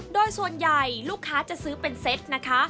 โดยส่วนใหญ่ลูกค้าจะซื้อเป็นเซตนะคะ